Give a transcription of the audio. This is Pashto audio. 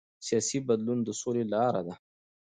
سیاسي بدلون د سولې لاره ده